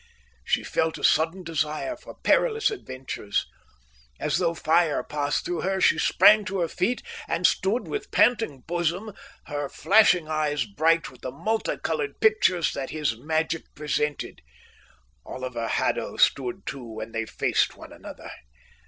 She felt a sudden desire for perilous adventures. As though fire passed through her, she sprang to her feet and stood with panting bosom, her flashing eyes bright with the multi coloured pictures that his magic presented. Oliver Haddo stood too, and they faced one another.